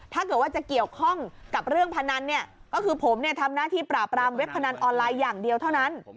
ถ้าเกิดว่าจะเกี่ยวข้องกับเรื่องพนันเนี่ยก็คือผมทำหน้าที่ปราบรามเว็บพนันออนไลน์อย่างเดียวเท่านั้น